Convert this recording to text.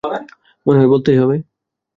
মনে হয় বলতেই হবে।